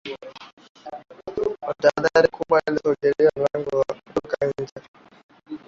Kwa tahadhari kubwaalisogelea mlango wa kutoka nje